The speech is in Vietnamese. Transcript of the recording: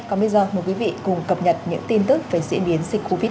còn bây giờ mời quý vị cùng cập nhật những tin tức về diễn biến dịch covid một mươi